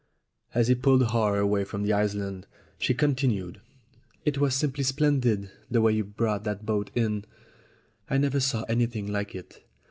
As he pulled hard away from the island she con tinued : "It was simply splendid the way you brought that boat in. I never saw anything like it.